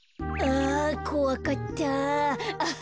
あこわかった。